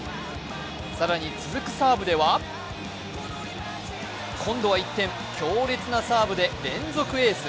更に続くサーブでは今度は一転、強烈なサーブで連続エース。